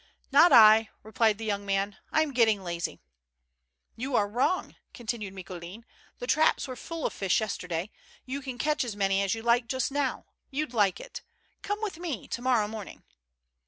" Not I," replied the young man. I'm getting lazy." " You are wrong," continued Micoulin. " The traps were full of fish yesterday. You can catch as many as you like just now. You'd like it. Come with me to morrow morning."